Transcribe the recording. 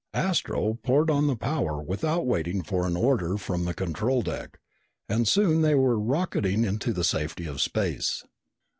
Astro poured on the power without waiting for an order from the control deck and soon they were rocketing into the safety of space.